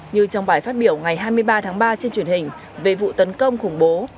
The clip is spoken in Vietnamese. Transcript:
như trong bài phát biểu ngày hai mươi ba tháng ba trên truyền hình về vụ tấn công khủng bố